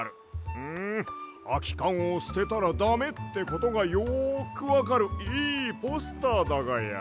んあきかんをすてたらダメってことがよくわかるいいポスターだがや。